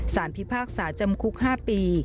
พิพากษาจำคุก๕ปี